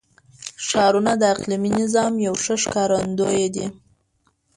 ښارونه د اقلیمي نظام یو ښه ښکارندوی دی.